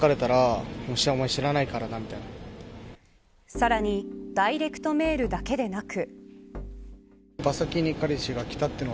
さらにダイレクトメールだけでなく。